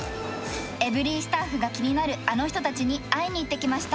エブリィスタッフが気になるあの人たちに会いに行ってきました。